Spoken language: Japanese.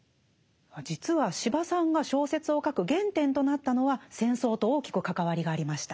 実は司馬さんが小説を書く原点となったのは戦争と大きく関わりがありました。